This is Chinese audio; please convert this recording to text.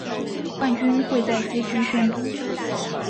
冠军会在结局宣布。